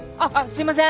すいません！